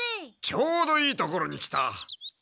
ちょうどいいところに来た。